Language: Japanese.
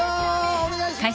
お願いします。